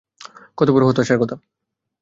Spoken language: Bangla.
কতবড় হতাশার কথা।